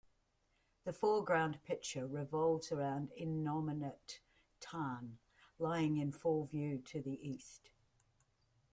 The foreground picture revolves around Innominate Tarn, lying in full view to the east.